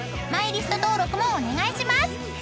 マイリスト登録もお願いします］